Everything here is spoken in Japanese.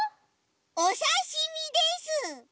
おさしみです！